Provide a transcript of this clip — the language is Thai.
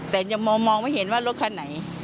แต่ยังมองไม่เห็นว่ารถคันไหน